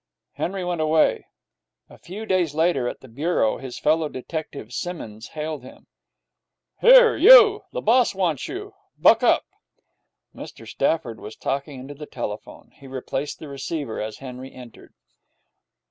Henry went away. A few days later, at the Bureau, his fellow detective Simmonds hailed him. 'Here, you! The boss wants you. Buck up!' Mr Stafford was talking into the telephone. He replaced the receiver as Henry entered.